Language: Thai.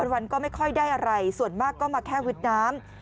วันก็ไม่ค่อยได้อะไรส่วนมากก็มาแค่วิทย์น้ำ